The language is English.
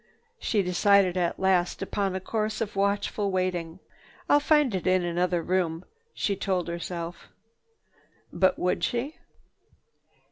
She decided at last upon a course of watchful waiting. "I'll find it in another room," she told herself. But would she?